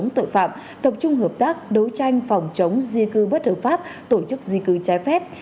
tập trung hợp tác đấu tranh phòng chống di cư bất hợp pháp tổ chức di cư trái phép